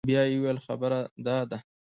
بيا يې وويل خبره دا ده.